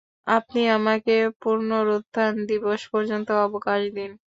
আপনি আমাকে পুনরুত্থান দিবস পর্যন্ত অবকাশ দিন।